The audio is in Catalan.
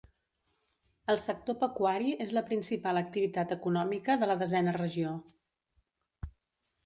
El sector pecuari és la principal activitat econòmica de la Desena Regió.